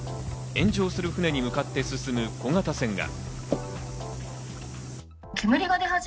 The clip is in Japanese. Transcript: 炎上する船に向かって進む小型船が。